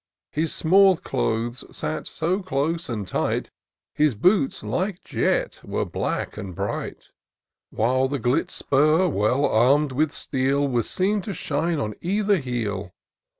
His small clothes sat so close and tight ; His boots, like jet, were black and bright ; While the gilt spur, well arm'd with steel, Was seen to shine on either heel.